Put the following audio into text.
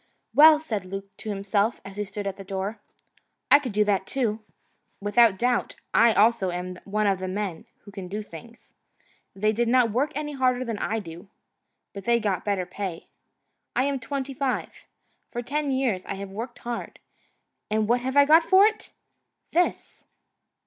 "Well," said Luke, to himself, as he stood at the door, "I could do that too. Without doubt I also am one of the men who can do things. They did not work any harder than I do. But they got better pay. I am twenty five. For ten years I have worked hard, and what have I got for it? This!"